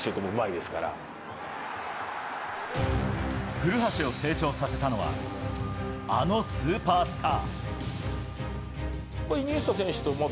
古橋を成長させたのはあのスーパースター。